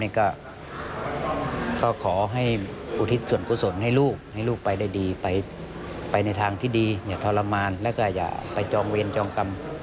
หรือว่าขอให้อุทิศส่วนกุศลให้ลูกไปในทางที่ดีอย่าทรมานแน่งโจมกรรม